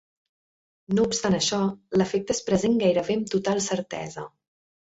No obstant això, l'efecte és present gairebé amb total certesa.